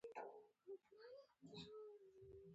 د فراه په پشت کوه کې د مالګې نښې شته.